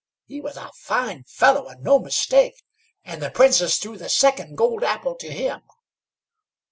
He was a fine fellow, and no mistake; and the Princess threw the second gold apple to him."